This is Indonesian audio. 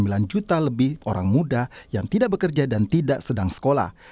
dan total ada sembilan delapan puluh sembilan juta lebih orang muda yang tidak bekerja dan tidak sedang sekolah